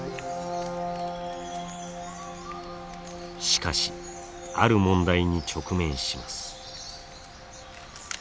しかしある問題に直面します。